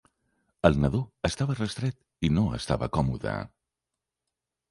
El nadó estava restret i no estava còmode.